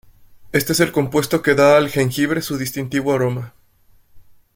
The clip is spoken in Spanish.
Este es el compuesto que da el jengibre su distintivo aroma.